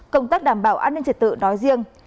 công tác đảm bảo an ninh trật tự nói riêng